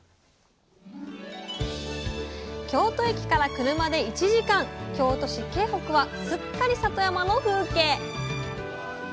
京都駅から車で１時間京都市京北はすっかり里山の風景